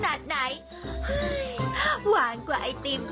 ขนาดไหนเฮ้ยหวานกว่าไอติม